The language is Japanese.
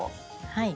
はい。